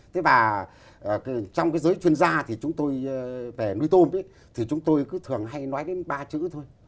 thế và trong cái giới chuyên gia thì chúng tôi về nuôi tôm thì chúng tôi cứ thường hay nói đến ba chữ thôi